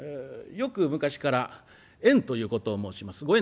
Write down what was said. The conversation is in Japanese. よく昔から縁ということを申します。